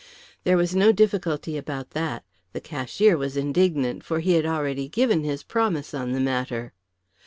There was no difficulty about that: the cashier was indignant, for he had already given his promise on the matter.